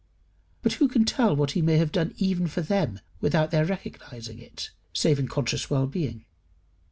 But who can tell what he may have done even for them without their recognizing it save in conscious well being?